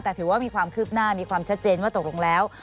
แต่ถือว่ามีความคืบหน้ามีความชัดเจนว่าตกลงแล้ว